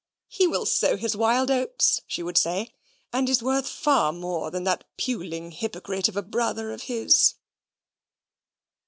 "He will sow his wild oats," she would say, "and is worth far more than that puling hypocrite of a brother of his."